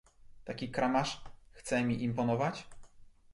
"Taki kramarz chce mi imponować!"